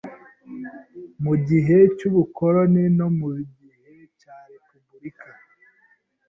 Mu gihe cy’ubukoloni no mu gihe cya Repubulika